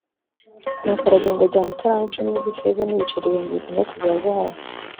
nuko aragenda ajyana italanto icumi z’ifeza n’ibiceri ibihumbi bitandatu bya zahabu